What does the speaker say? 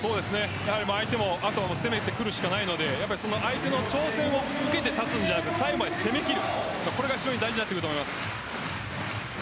相手もあとは攻めてくるしかないので相手の挑戦を受けて立つんじゃなくて最後まで攻めきることが大事になってきます。